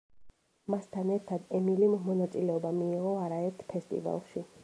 მასთან ერთად ემილიმ მონაწილეობა მიიღო არაერთ ფესტივალში.